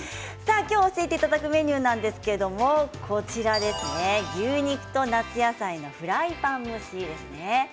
教えていただくメニューなんですが牛肉と夏野菜のフライパン蒸しですね。